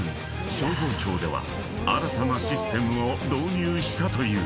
［消防庁では新たなシステムを導入したという］